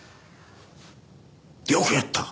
よくやった。